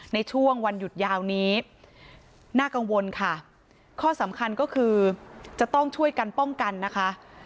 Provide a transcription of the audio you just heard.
ในช่วงวันหยุดยาวนี้น่ากังวลค่ะข้อสำคัญก็คือจะต้องช่วยกันป้องกันนะคะ